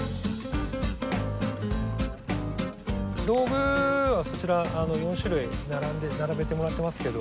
道具はそちら４種類並べてもらってますけど。